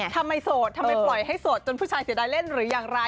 โสดทำไมปล่อยให้โสดจนผู้ชายเสียดายเล่นหรืออย่างไร